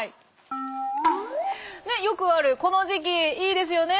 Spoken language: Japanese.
よくあるこの時期いいですよね。